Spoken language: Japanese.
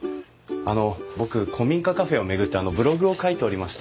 あの僕古民家カフェを巡ってブログを書いておりまして。